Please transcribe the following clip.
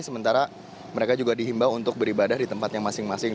sementara mereka juga dihimbau untuk beribadah di tempatnya masing masing